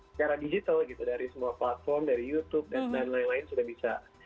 secara digital gitu dari semua platform dari youtube dan lain lain sudah bisa